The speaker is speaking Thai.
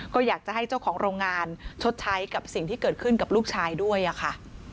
ก็อยากจะให้เจ้าของโรงงานชดใช้กับสิ่งที่เกิดขึ้นกับลูกชายด้วยค่ะ